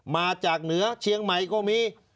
มาจากเหนือเชียงใหม่ก็มี